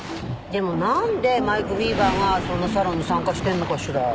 でもなんでマイク・ウィーバーがそんなサロンに参加してるのかしら？